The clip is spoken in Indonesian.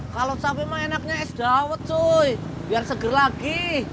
kalau capek mah enaknya es daun cuy biar seger lagi